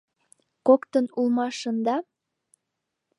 Коктын улмашында?